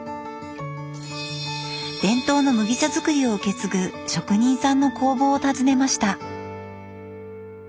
伝統の麦茶作りを受け継ぐ職人さんの工房を訪ねました。